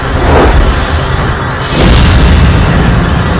bukankah melihatku dan melihat bukaan yang lainnya